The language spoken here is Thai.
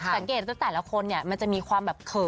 สังเกตตัวแต่ละคนมันจะมีความเผิน